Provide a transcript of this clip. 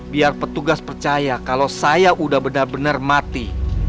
biar petugas percaya kalau saya udah benar benar mati